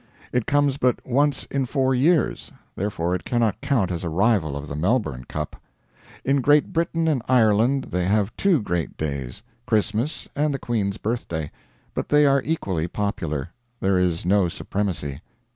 It comes but once in four years; therefore it cannot count as a rival of the Melbourne Cup. In Great Britain and Ireland they have two great days Christmas and the Queen's birthday. But they are equally popular; there is no supremacy.